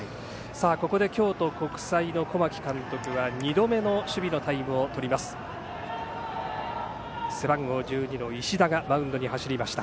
ここで京都国際の小牧監督が２度目の守備のタイムを取ります。